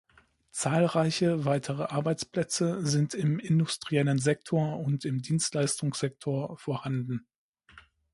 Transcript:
Zahlreiche weitere Arbeitsplätze sind im industriellen Sektor und im Dienstleistungssektor vorhanden.